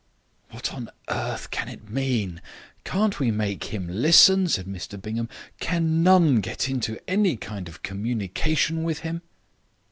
"What on earth can it mean? Can't we make him listen?" said Mr Bingham. "Can none get into any kind of communication with him?"